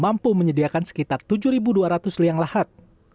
mampu menyediakan sekitar tujuh dua ratus liang lahat